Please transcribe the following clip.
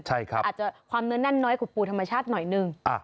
อาจจะความเนื้อแน่นน้อยกว่าปูธรรมชาติหน่อยนึง